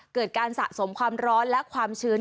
เกิดการสะสมความร้อนและความชื้น